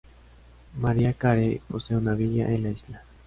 Mariah Carey posee una villa en la isla.